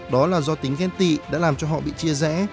đó là do tính ghen tị đã làm cho họ bị chia rẽ